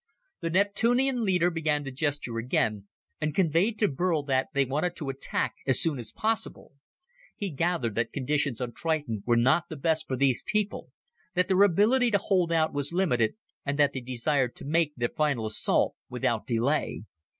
The Neptunian leader began to gesture again, and conveyed to Burl that they wanted to attack as soon as possible. He gathered that conditions on Triton were not the best for these people that their ability to hold out was limited and that they desired to make their final assault without delay.